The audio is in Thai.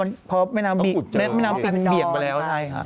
ไม่ได้เป็นน้ำแล้วค่ะเพราะว่าแม่น้ำปิงเบียดไปแล้ว